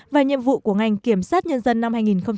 về nhiệm vụ của ngành kiểm sát nhân dân năm hai nghìn một mươi bảy